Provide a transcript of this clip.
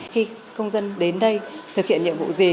khi công dân đến đây thực hiện nhiệm vụ gì